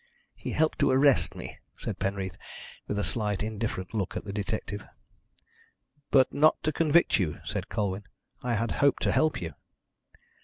"He helped to arrest me," said Penreath, with a slight indifferent look at the detective. "But not to convict you," said Colwyn. "I had hoped to help you."